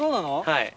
はい。